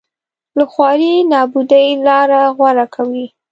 له خوارۍ نابودۍ لاره غوره کوي